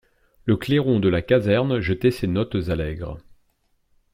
Le clairon de la caserne jetait ses notes allègres.